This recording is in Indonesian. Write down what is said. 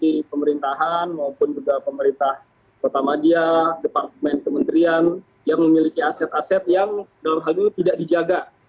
di pemerintahan maupun juga pemerintah kota madia departemen kementerian yang memiliki aset aset yang dalam hal ini tidak dijaga